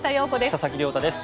佐々木亮太です。